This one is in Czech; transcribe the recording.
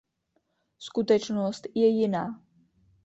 Skutečnost je jiná.